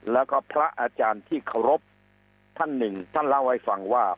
แล้วก็พระอาจารย์ที่เคารพท่านหนึ่งท่านเล่าให้ฟังว่า